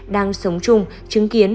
đang sống chung chứng kiến